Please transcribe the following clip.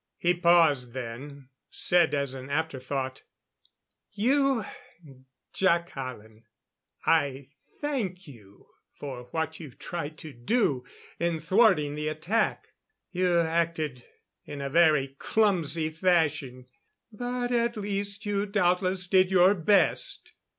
He paused, then said as an afterthought: "You, Jac Hallen, I thank you for what you tried to do in thwarting the attack. You acted in very clumsy fashion but, at least, you doubtless did your best."